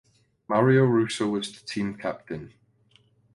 Mario Russo was the team captain.